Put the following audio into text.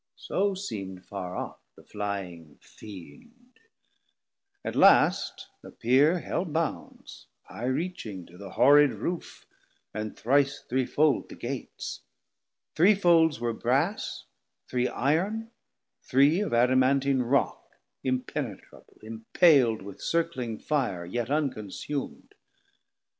So seem'd Farr off the flying Fiend: at last appeer Hell bounds high reaching to the horrid Roof, And thrice threefold the Gates; three folds were Brass Three Iron, three of Adamantine Rock, Impenitrable, impal'd with circling fire, Yet unconsum'd.